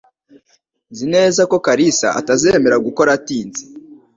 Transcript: Nzi neza ko Kalisa atazemera gukora atinze